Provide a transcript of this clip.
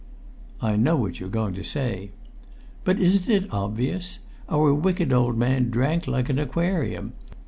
"I know what you're going to say." "But isn't it obvious? Our wicked old man drank like an aquarium.